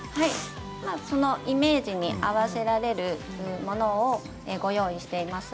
イメージに合わせられるものをご用意しています。